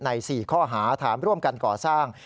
๔ข้อหาถามร่วมกันก่อสร้าง